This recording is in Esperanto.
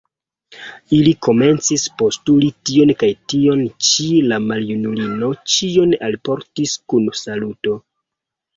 Ili komencis postuli tion kaj tion ĉi; la maljunulino ĉion alportis kun saluto.